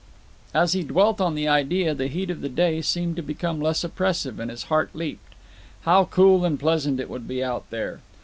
As he dwelt on the idea the heat of the day seemed to become less oppressive and his heart leaped. How cool and pleasant it would be out there!